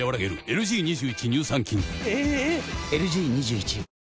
⁉ＬＧ２１